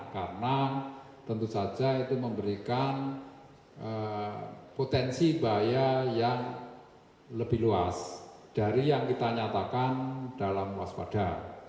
karena tentu saja itu memberikan potensi bahaya yang lebih luas dari yang kita nyatakan dalam waspada